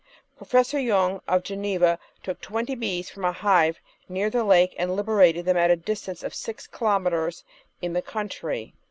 Professor Yung of Geneva took twenty bees from a hive near the lake and liberated them at a distance of six kilometres in the country.